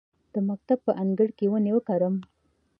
د مکتب په انګړ کې ونې وکرم؟